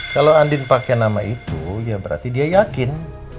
kalau andin pakai nama itu ya berarti dia yakin